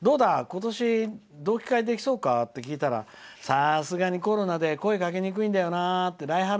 今年同期会できそうか？と聞いたらさすがにコロナで声がかけづらいんだよなって。